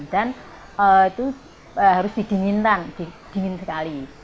dan itu harus didinginkan didinginkan sekali